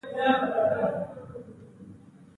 ایا ستاسو نیوکه سالمه نه ده؟